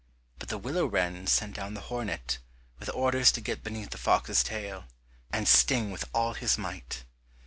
But the willow wren sent down the hornet, with orders to get beneath the fox's tail, and sting with all his might.